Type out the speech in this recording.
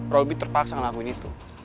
robby terpaksa ngelakuin itu